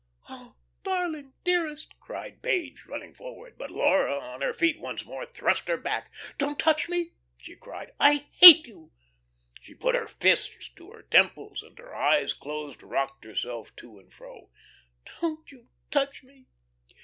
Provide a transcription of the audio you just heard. "Oh, darling, dearest " cried Page, running forward. But Laura, on her feet once more, thrust her back. "Don't touch me," she cried. "I hate you!" She put her fists to her temples and, her eyes closed, rocked herself to and fro. "Don't you touch me.